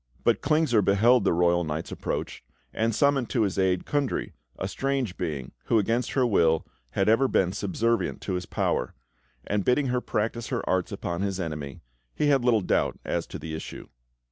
But Klingsor beheld the royal knight's approach and summoned to his aid Kundry, a strange being, who, against her will, had ever been subservient to his power; and bidding her practice her arts upon his enemy, he had little doubt as to the issue.